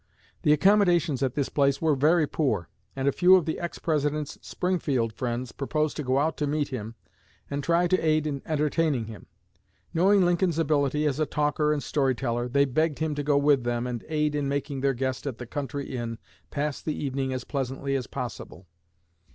The accommodations at this place were very poor, and a few of the ex President's Springfield friends proposed to go out to meet him and try to aid in entertaining him. Knowing Lincoln's ability as a talker and story teller, they begged him to go with them and aid in making their guest at the country inn pass the evening as pleasantly as possible.